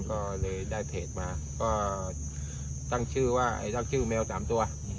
ก็เลยได้เพจมาก็ตั้งชื่อว่าไอ้ตั้งชื่อแมว๓ตัว